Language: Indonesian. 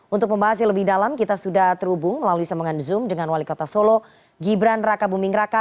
untuk pembahas yang lebih dalam kita sudah terhubung melalui sambungan zoom dengan wali kota solo gibran raka buming raka